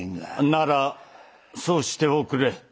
ならそうしておくれ。